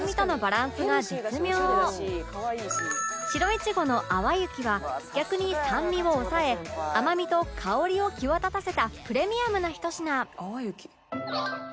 白いちごの淡雪は逆に酸味を抑え甘みと香りを際立たせたプレミアムなひと品